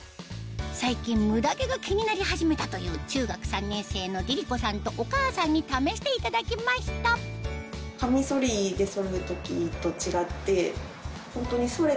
最近ムダ毛が気になり始めたという中学３年生の凛々子さんとお母さんに試していただきましただと思います。